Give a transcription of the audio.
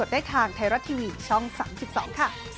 ความสุขลอยยิ้ม